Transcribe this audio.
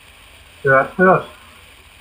Hört, hört!